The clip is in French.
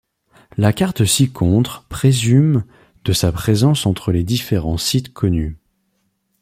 La carte ci-contre présume de sa présence entre les différents sites connus.